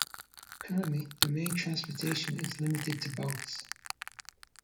Currently, the main transportation is limited to boats.